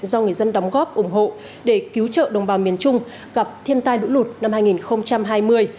do người dân đóng góp ủng hộ để cứu trợ đồng bào miền trung gặp thiên tai lũ lụt năm hai nghìn hai mươi